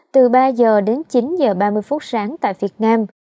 từ ba h đến chín h ba mươi sáng tại việt nam